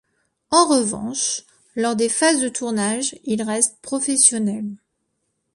En revanche, lors des phases de tournage, il reste professionnel.